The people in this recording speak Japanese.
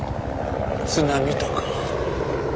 津波とか。